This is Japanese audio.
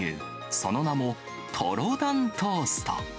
その名も、とろ断トースト。